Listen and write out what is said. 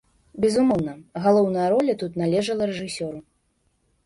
Безумоўна, галоўная роля тут належала рэжысёру.